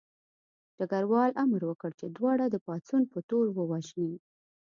ډګروال امر وکړ چې دواړه د پاڅون په تور ووژني